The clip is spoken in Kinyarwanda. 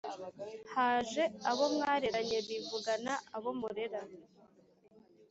Haje abo mwareranye Bivugana abo murera ;